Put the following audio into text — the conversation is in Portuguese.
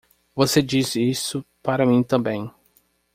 Você disse isso para mim também.